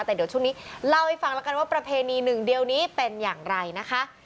แต่เดี๋ยวช่วงนี้เล่าให้ฟังแล้วกันว่าประเพณีหนึ่งเดียวนี้เป็นอย่างไรนะคะ